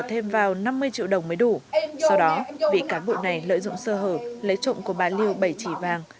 thêm vào năm mươi triệu đồng mới đủ sau đó bị cán bộ này lợi dụng sơ hở lấy trộm của bà liêu bảy chỉ vàng